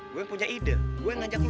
gue yang punya ide gue yang ngajak lu